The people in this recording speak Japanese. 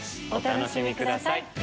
お楽しみください。